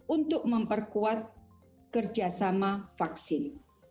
untuk memperkuat kerjasama vaksin